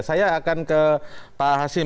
saya akan ke pak hasim